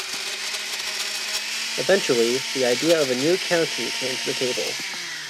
Eventually, the idea of a new county came to the table.